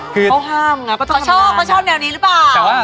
เขาชอบแนวนี้หรือเปล่า